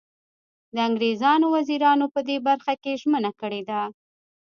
د انګریزانو وزیرانو په دې برخه کې ژمنه کړې ده.